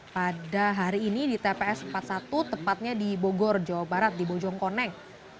pada hari ini di tps empat puluh satu tepatnya di bogor jawa barat di bojongkoneng